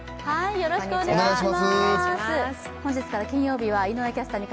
よろしくお願いします。